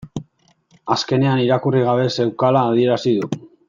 Azkenean irakurri gabe zeukala adierazi du